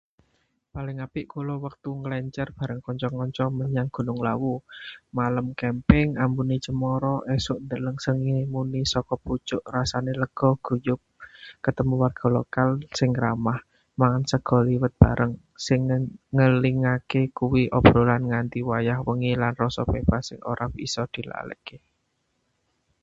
Paling apik kulo wektu ngelencer bareng kanca-kanca menyang Gunung Lawu. Malem camping, ambune cemara, esuk ndeleng srengenge muni saka pucuk. Rasané lega, guyub, ketemu warga lokal sing ramah, mangan sega liwet bareng. Sing ngelingaké kuwi obrolan nganti wayah wengi lan rasa bebas sing ora iso dilalekaké.